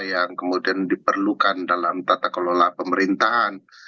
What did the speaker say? yang kemudian diperlukan dalam tata kelola pemerintahan